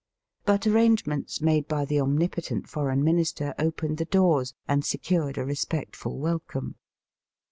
But arrangements made by the omnipotent Foreign Minister opened the doors, and secured a respectful welcome.